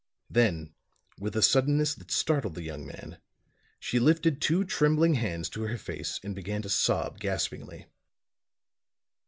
Then with a suddenness that startled the young man she lifted two trembling hands to her face and began to sob gaspingly.